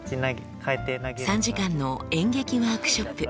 ３時間の演劇ワークショップ。